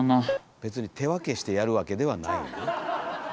別に手分けしてやるわけではないねんね。